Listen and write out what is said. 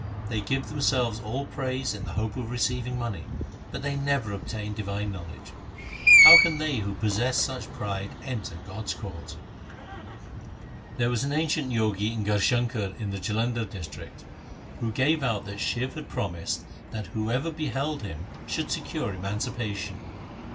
They give themselves all praise in the hope of receiving money, but they never obtain divine knowledge. How can they who possess such pride enter God's court ?' There was an ancient Jogi in Garhshankar in the Jalandhar district, who gave out that Shiv had promised that whoever beheld him should secure emancipation.